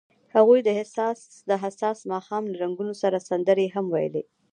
هغوی د حساس ماښام له رنګونو سره سندرې هم ویلې.